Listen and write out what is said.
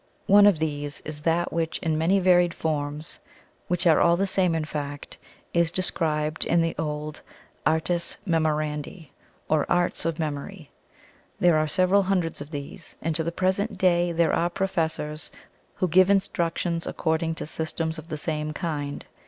One of these is that which in many varied forms, which are all the same in fact, is described in the old Artes Memorandi, or Arts of Memory. There are several hundreds of these, and to the present day there are professors who give instructions according to systems of the same kind.